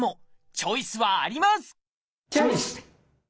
チョイス！